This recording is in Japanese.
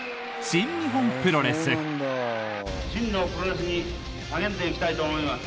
真のプロレスに励んでいきたいと思います。